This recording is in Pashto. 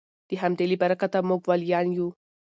د همدې له برکته موږ ولیان یو